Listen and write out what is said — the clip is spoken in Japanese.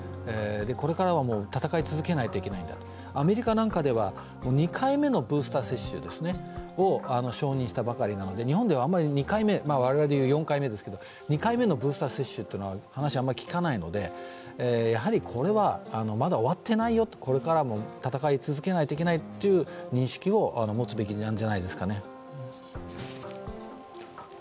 これからは戦い続けないといけないんだ、アメリカなどでは２回目のブースター接種を承認したばかりなので承認したばかりなので、日本でいうと４回目ですけれども２回目のブースター接種という話はあまり聞かないのでやはりこれはまだ終わってないよ、これからも戦い続けなければいけないという認識を持つべきなんじゃないですかね。